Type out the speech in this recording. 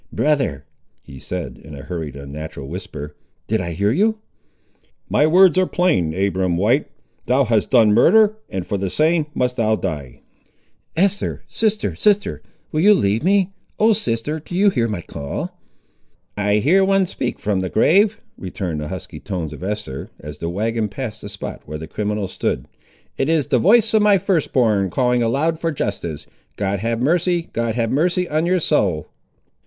"Brother," he said, in a hurried, unnatural whisper, "did I hear you?" "My words are plain, Abiram White: thou hast done murder, and for the same must thou die!" "Esther! sister, sister, will you leave me! Oh sister! do you hear my call?" "I hear one speak from the grave!" returned the husky tones of Esther, as the wagon passed the spot where the criminal stood. "It is the voice of my firstborn, calling aloud for justice! God have mercy, God have mercy, on your soul!"